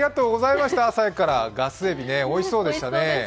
ガスエビおいしそうでしたね。